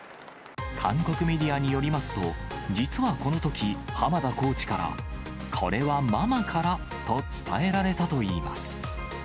韓国メディアによりますと、実はこのとき、濱田コーチから、これはママからと伝えられたといいます。